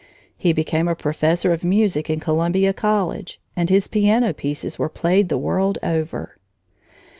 He became a professor of music in Columbia College, and his piano pieces were played the world over.